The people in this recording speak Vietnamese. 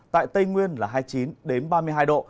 tại tây nguyên là hai mươi chín ba mươi hai độ